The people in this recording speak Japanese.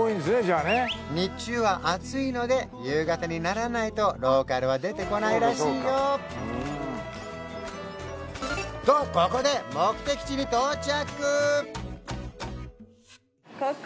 日中は暑いので夕方にならないとローカルは出てこないらしいよとここで目的地に到着！